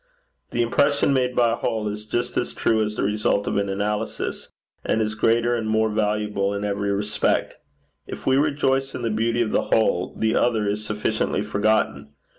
The impression made by a whole is just as true as the result of an analysis, and is greater and more valuable in every respect. If we rejoice in the beauty of the whole, the other is sufficiently forgotten.